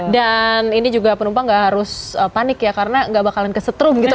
dan ini juga penumpang gak harus panik ya karena gak bakalan kesetrum gitu